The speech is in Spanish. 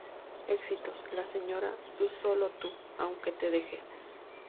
Éxitos: La señora, Tu solo tu, Aunque te deje.